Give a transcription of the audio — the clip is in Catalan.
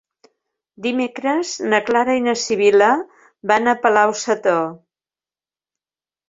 Dimecres na Clara i na Sibil·la van a Palau-sator.